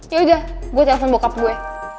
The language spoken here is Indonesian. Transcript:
yaudah gue telfon bokap gue